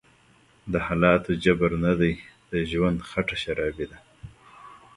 دحالاتو_جبر_نه_دی_د_ژوند_خټه_شرابي_ده